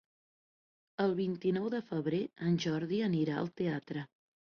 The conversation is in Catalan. El vint-i-nou de febrer en Jordi anirà al teatre.